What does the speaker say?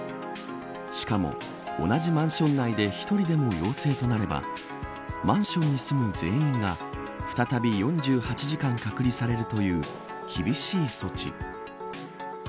しかも同じマンション内で１人でも陽性となればマンションに住む全員が再び４８時間隔離されるという厳しい措置。